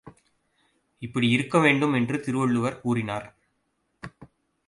இப்படியிருக்க வேண்டும் என்று திருவள்ளுவர் கூறினார்.